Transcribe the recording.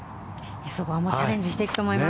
そこはチャレンジしていくと思います。